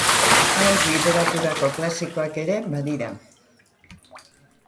Haur literaturako klasikoak ere badira.